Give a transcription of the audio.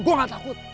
gue gak takut